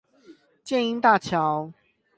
箭瑛大橋